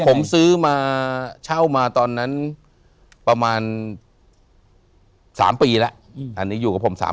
ผมซื้อมาเช่ามาตอนนั้นประมาณ๓ปีแล้วอันนี้อยู่กับผม๓ปี